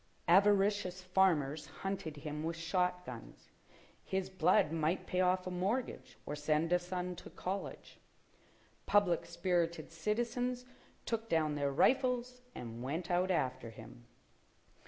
Avaricious farmers hunted him with shot guns. His blood might pay off a mortgage or send a son to college. Public spirited citizens took down their rifles and went out after him.